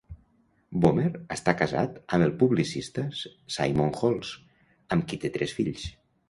Bomer està casat amb el publicista Simon Halls, amb qui té tres fills.